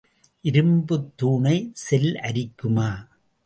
இரும்புத் தூணைச் செல் அரிக்குமா?